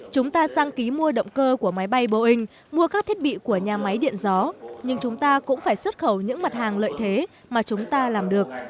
chúng ta đăng ký mua động cơ của máy bay boeing mua các thiết bị của nhà máy điện gió nhưng chúng ta cũng phải xuất khẩu những mặt hàng lợi thế mà chúng ta làm được